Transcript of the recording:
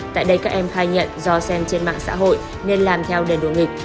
tại đây các em khai nhận do xem trên mạng xã hội nên làm theo đền đùa nghịch